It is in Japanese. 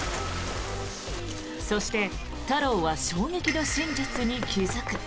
そして、太郎は衝撃の真実に気付く。